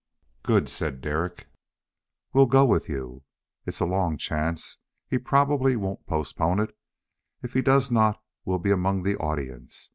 "Good!" said Derek. "We'll go with you. It's a long chance; he probably won't postpone it. If he does not, we'll be among the audience.